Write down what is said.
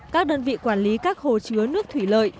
các đơn vị quản lý các hồ chứa nước thủy lợi